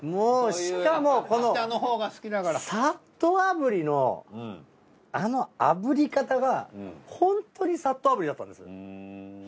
しかもこのさっとあぶりのあのあぶり方が本当にさっとあぶりだったんです。